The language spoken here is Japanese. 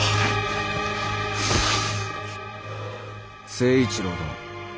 「成一郎殿。